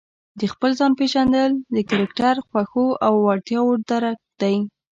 د خپل ځان پېژندل د کرکټر، خوښو او وړتیاوو درک دی.